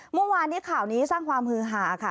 เมื่อวานนี้ข่าวนี้สร้างความฮือหาค่ะ